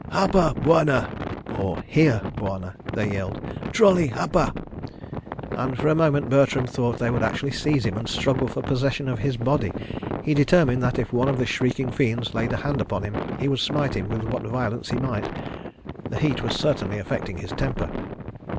"Hapa, Bwana!" they yelled. "Trolley hapa," and, for a moment, Bertram thought they would actually seize him and struggle for possession of his body. He determined that if one of the shrieking fiends laid a hand upon him, he would smite him with what violence he might. The heat was certainly affecting his temper.